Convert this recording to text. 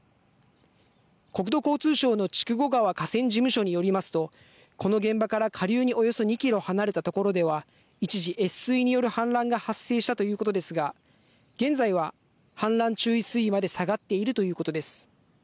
国土交通省の筑後川河川事務所によりますとこの現場から下流におよそ２キロ離れたところでは一時、越水による氾濫が発生したということですが現在は氾濫注意水位まで下がっているということです。